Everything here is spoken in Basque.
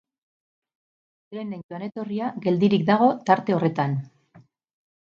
Trenen joan-etorria geldirik dago tarte horretan.